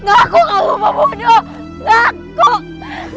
aku gak lupa bunuh